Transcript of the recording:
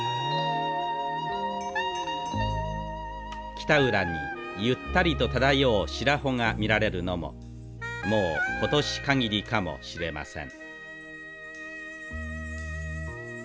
北浦にゆったりと漂う白帆が見られるのももう今年限りかもしれません。